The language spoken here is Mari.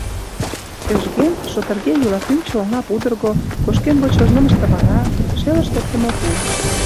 Кӧжген, шотырге йӱла пӱнчӧ оҥа пудырго, кошкен вочшо нымыштывара, шелышт оптымо пу.